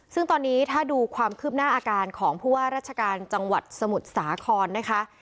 ซึ่งตอนนี้ถ้าดูความคืบหน้าอาการของผู้ว่าราชการจังหวัดสมุทรสาครนะคะ